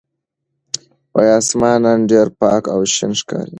آسمان نن ډېر پاک او شین ښکاري.